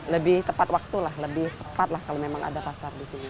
lebih tepat waktulah lebih tepatlah kalau memang ada pasar di sini